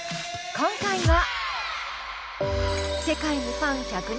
今回は。